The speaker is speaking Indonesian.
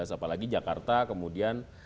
apalagi jakarta kemudian